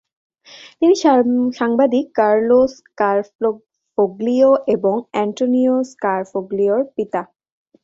তিনি সাংবাদিক Carlo Scarfoglio এবং অ্যান্টোনিও স্কারফোগ্লিওর পিতা।